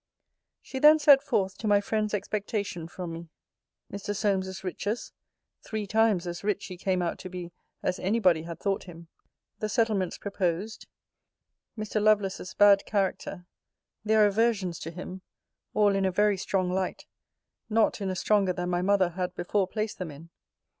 She then set forth to my friends' expectation from me; Mr. Solmes's riches (three times as rich he came out to be, as any body had thought him); the settlements proposed; Mr. Lovelace's bad character; their aversions to him; all in a very strong light; not in a stronger than my mother had before placed them in.